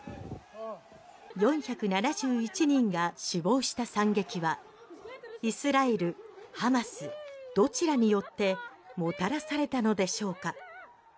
４７１人が死亡した惨劇はイスラエル、ハマスどちらによってもたらされたのでしょうか？